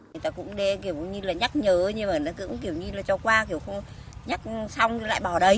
người ta cũng đe kiểu như là nhắc nhớ nhưng mà nó cũng kiểu như là cho qua kiểu không nhắc xong lại bỏ đấy